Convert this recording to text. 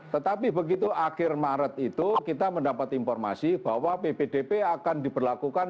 tetapi begitu akhir maret itu kita mendapat informasi bahwa ppdp akan diberlakukan